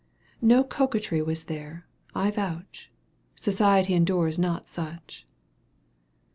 No coquetry was there, I vouch — Society endures not such !